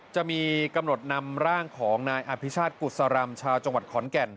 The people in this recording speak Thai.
จะมีกำหนดนำร่างของนายอภิชาติกุศรำชาวจังหวัดขอนแก่น